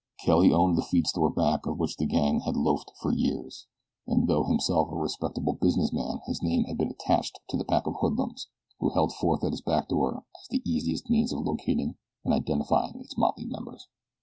Kelly owned the feed store back of which the gang had loafed for years, and though himself a respectable businessman his name had been attached to the pack of hoodlums who held forth at his back door as the easiest means of locating and identifying its motley members.